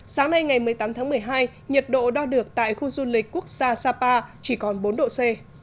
sáng nay ngày một mươi tám tháng một mươi hai nhiệt độ đo được tại khu du lịch quốc gia sapa chỉ còn bốn độ c